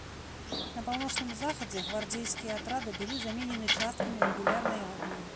На паўночным захадзе гвардзейскія атрады былі заменены часткамі рэгулярнай арміі.